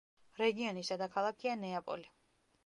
რეგიონის დედაქალაქია ნეაპოლი.